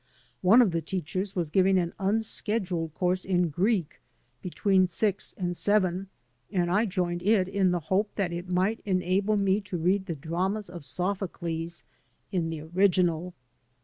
One of the teachers was giving an unscheduled course in Greek between six and seven, and I joined it in the hope that it might enable me to read the dramas of Sophocles in the original.